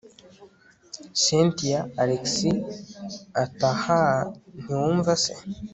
cyntia alex ati ahaaan ntiwumva se